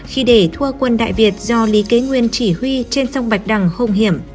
khi để thua quân đại việt do lý kế nguyên chỉ huy trên sông bạch đằng hung hiểm